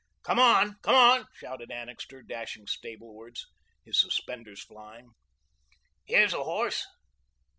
"Come on, come on," shouted Annixter, dashing stablewards, his suspenders flying. "Here's a horse."